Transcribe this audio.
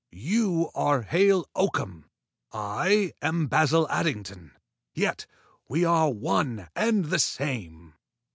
You are Hale Oakham. I am Basil Addington, yet we are one and the same.